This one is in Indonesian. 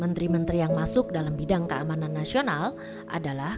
menteri menteri yang masuk dalam bidang keamanan nasional adalah